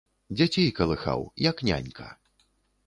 Дзяцей калыхаў, як нянька.